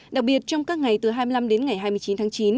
đặc biệt trong các ngày từ hai mươi năm đến ngày hai mươi chín tháng chín